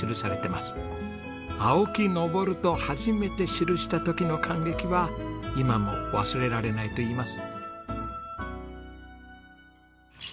「青木昇」と初めて記した時の感激は今も忘れられないといいます。